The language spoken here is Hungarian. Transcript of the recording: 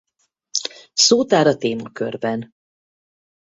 Szótár a témakörben